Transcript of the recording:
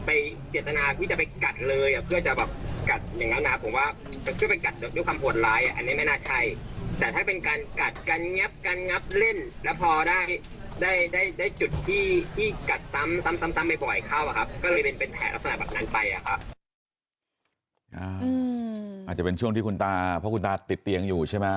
อาจจะเป็นช่วงที่คุณตาเพราะคุณตาติดเตียงอยู่ใช่ไหม